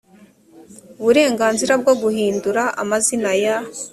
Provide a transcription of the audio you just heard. uburenganzira bwo guhidura amazina ya